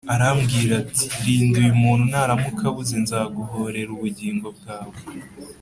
arambwira ati ‘Rinda uyu muntu naramuka abuze nzaguhorera ubugingo bwe